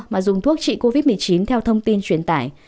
mà dùng thuốc trị covid một mươi chín theo thông tin truyền tải